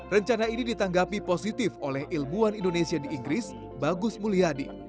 rencana ini ditanggapi positif oleh ilmuwan indonesia di inggris bagus mulyadi